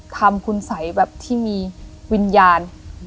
ทำคุณสัยแบบที่มีวิญญาณ